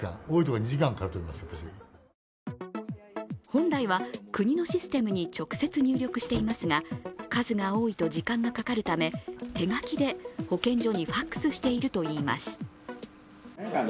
本来は国のシステムに直接入力していますが数が多いと時間がかかるため手書きで保健所にＦＡＸしているといいます。